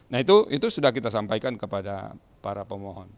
nah itu sudah kita sampaikan kepada para pemohon